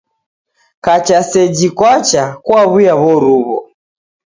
Kacha seji kwacha kwaw'uya w'oruw'o.